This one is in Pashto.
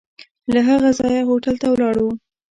له هغه ځایه هوټل ته ولاړو.